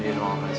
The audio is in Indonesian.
ya aku mau liat